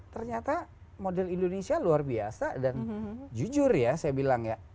ternyata model indonesia luar biasa dan jujur ya saya bilang ya